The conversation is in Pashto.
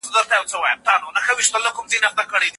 موږ باید له بازاري خوړو څخه ډډه وکړو.